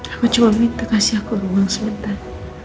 aku cuma minta kasih aku ruang sebentar